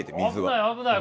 危ない危ない。